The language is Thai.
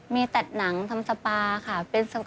มีตัดหนังทำสปาค่ะ